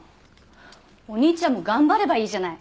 お兄ちゃんも頑張ればいいじゃない。